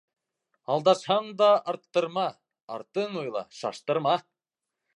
Алдашһаң да, арттырма, артың уйла, шаштырма.